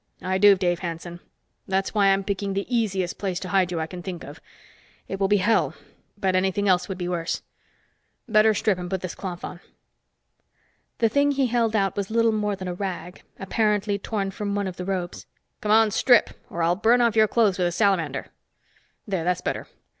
"I do, Dave Hanson. That's why I'm picking the easiest place to hide you I can think of. It will be hell, but anything else would be worse. Better strip and put this cloth on." The thing he held out was little more than a rag, apparently torn from one of the robes. "Come on, strip, or I'll burn off your clothes with a salamander. There, that's better.